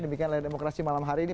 demikian layar demokrasi malam hari ini